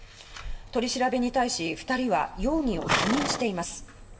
取り調べに対し２人は容疑を否認しています。